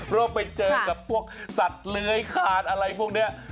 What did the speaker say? ว่าไปเจอกับพวกสัตว์เลื้อยคานอะไรพวกนี้